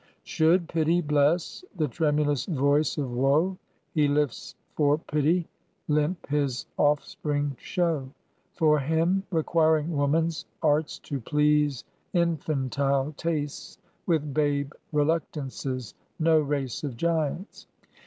Should pity bless the tremulous voice of woe He lifts for pity, limp his offspring show. For him requiring woman's arts to please Infantile tastes with babe reluctances, No race of giants!